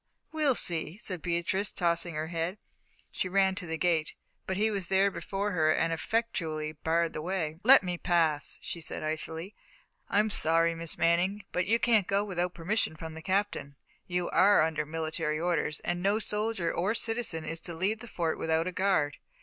"We'll see," said Beatrice, tossing her head. She ran to the gate, but he was there before her and effectually barred the way. "Let me pass," she said icily. "I'm sorry, Miss Manning, but you can't go without permission from the Captain. You are under military orders, and no soldier or citizen is to leave the Fort without a guard.